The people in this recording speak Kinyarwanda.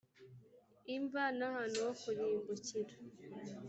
imva n ahantu ho kurimbukira